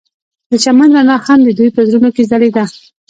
د چمن رڼا هم د دوی په زړونو کې ځلېده.